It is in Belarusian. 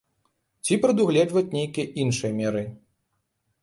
Ці прадугледжваць нейкія іншыя меры.